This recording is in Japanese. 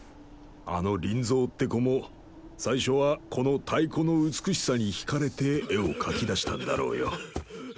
あのリンゾーって子も最初はこの太鼓の美しさにひかれて絵を描きだしたんだろうよ。